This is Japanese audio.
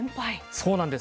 そうなんです。